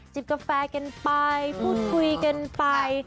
กาแฟกันไปพูดคุยกันไป